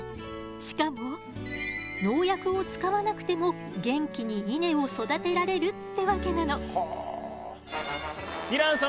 しかも農薬を使わなくても元気に稲を育てられるってわけなの。